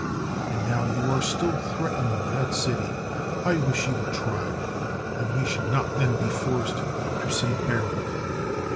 And now you are still threatening that city. I wish you would try, and we should not then be forced to say barely."